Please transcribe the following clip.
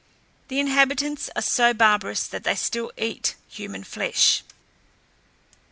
The inhabitants are so barbarous that they still eat human flesh.